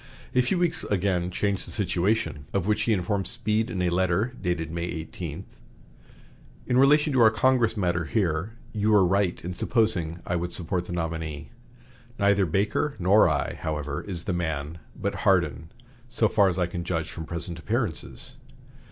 A few weeks again changed the situation, of which he informed Speed in a letter dated May 18: "In relation to our Congress matter here, you were right in supposing I would support the nominee. Neither Baker nor I, however, is the man but Hardin, so far as I can judge from present appearances.